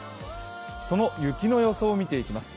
その雪の予想を見ていきます。